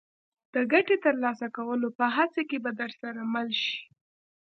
د ګټې ترلاسه کولو په هڅه کې به درسره مل شي.